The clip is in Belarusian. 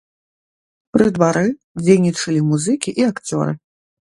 Пры двары дзейнічалі музыкі і акцёры.